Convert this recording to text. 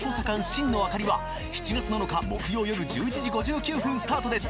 心野朱梨』は７月７日木曜よる１１時５９分スタートです！